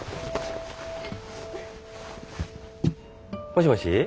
もしもし。